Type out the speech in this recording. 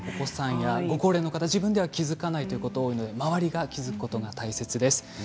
ご高齢の方も自分で気がつかないということで周りが気がつくことが大切です。